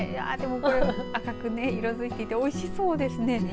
赤く色づいていておいしそうですね。